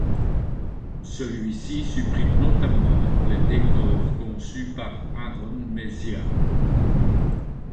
Celui-ci supprime notamment les décors conçus par Aaron Messiah.